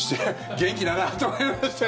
元気だなと思いましたよ。